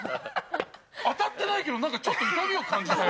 当たってないけど、ちょっと痛みを感じたよ！